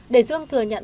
để dương thừa nhận